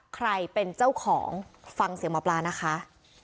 ใครเป็นเจ้าของฟังเสียงหมอปลานะคะ